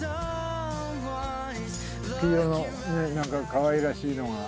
黄色の何かかわいらしいのが。